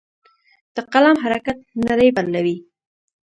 د قلم حرکت نړۍ بدلوي.